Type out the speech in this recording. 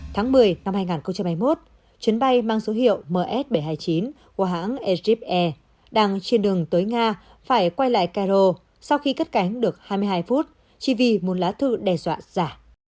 tháng một mươi năm hai nghìn hai mươi một chuyến bay mang số hiệu ms bảy trăm hai mươi chín của hãng ejeep air đang trên đường tới nga phải quay lại cairo sau khi cất cánh được hai mươi hai phút chỉ vì một lá thư đe dọa giả